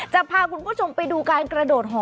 จะพาคุณผู้ชมไปดูการกระโดดหอ